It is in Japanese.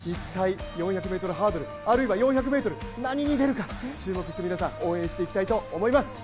４１日後の世界陸上では一体４００ｍハードル、あるいは４００ｍ、何に出るか注目して皆さん応援していきたいと思います。